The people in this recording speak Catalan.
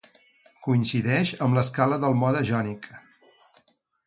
Coincideix amb l'escala del mode jònic.